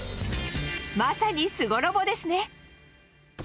まさに「すごロボ」ですね！